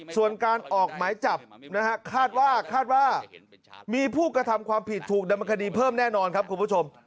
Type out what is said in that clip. ส่วนการออกหมายจับนะฮะคาดว่าคาดว่ามีผู้กระทำความผิดถูกดำเนินคดีเพิ่มแน่นอนครับคุณผู้ชม